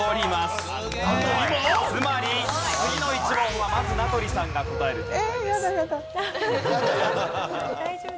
つまり次の１問はまず名取さんが答える事になります。